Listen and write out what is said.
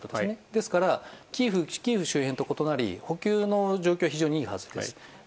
ですから、キーウ周辺と異なり補給の状況は非常にいいはずです。